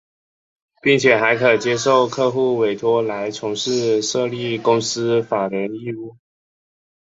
并且还可接受客户委托来从事设立公司法人业务。